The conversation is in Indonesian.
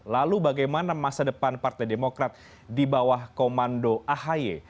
lalu bagaimana masa depan partai demokrat di bawah komando ahy